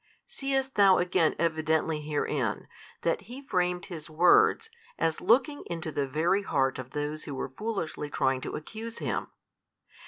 Seest thou again evidently herein, that He framed His words as looking into the very heart of those who were foolishly trying to accuse Him?